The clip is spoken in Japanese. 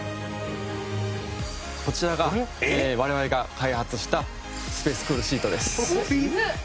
こちらが我々が開発したスペースクールシートです。